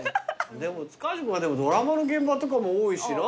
でも塚地君はドラマの現場とかも多いしな。